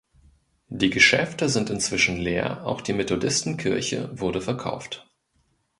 Die Geschäfte sind inzwischen leer, auch die Methodisten-Kirche wurde verkauft.